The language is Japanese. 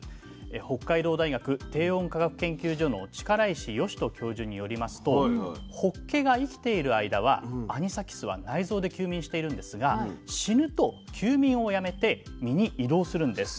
北海道大学低温科学研究所の力石嘉人教授によりますとほっけが生きている間はアニサキスは内臓で休眠しているんですが死ぬと休眠をやめて身に移動するんです。